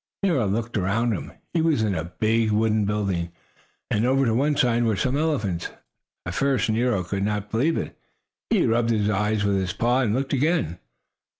Nero looked around him. He was in a big wooden building, and over to one side were some elephants. At first Nero could not believe it. He rubbed his eyes with his paw and looked again.